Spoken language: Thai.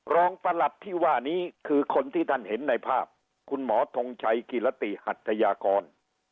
ประหลัดที่ว่านี้คือคนที่ท่านเห็นในภาพคุณหมอทงชัยกิรติหัตยากร